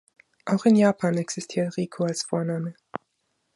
Auch in Japan existiert Riku als Vorname.